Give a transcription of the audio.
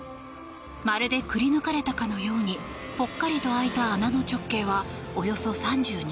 まるでくりぬかれたかのようにぽっかりと開いた穴の直径はおよそ３２ｍ。